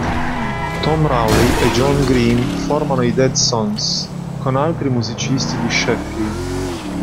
Tom Rowley e Joe Green formano i Dead Sons, con altri musicisti di Sheffield.